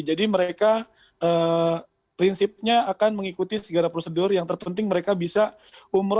jadi mereka prinsipnya akan mengikuti segala prosedur yang terpenting mereka bisa umroh di hari keempat nantinya